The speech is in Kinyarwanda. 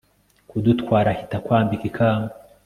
kudutwara, ahita akwambika ikamba